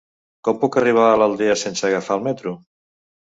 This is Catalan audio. Com puc arribar a l'Aldea sense agafar el metro?